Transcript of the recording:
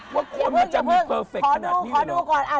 ว่าคนมันจะมีเพอร์เฟกต์ขนาดนี้หรือเปล่าพี่พึ่งขอดูก่อน